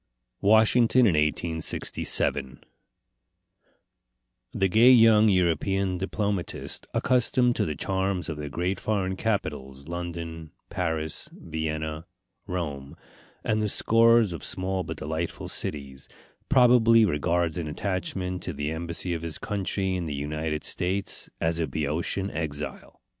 WASHINGTON IN 1867 The gay young European diplomatist, accustomed to the charms of the great foreign capitals London, Paris, Vienna, Rome, and the scores of small but delightful cities probably regards an attachment to the embassy of his country in the United States as a Boeotian exile.